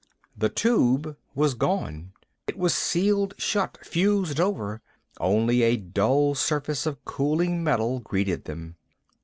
The Tube was gone. It was sealed shut, fused over. Only a dull surface of cooling metal greeted them.